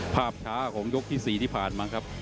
ภาพช้าของยกที่๔ที่ผ่านมาครับ